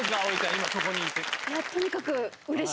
今そこにいて。